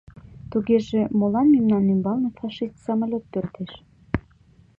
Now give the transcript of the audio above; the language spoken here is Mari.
— Тугеже молан мемнан ӱмбалне фашист самолёт пӧрдеш?